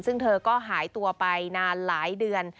ซึ่งเธอก็หายตัวไปนานหลายเดือน